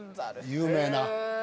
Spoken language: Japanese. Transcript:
有名な。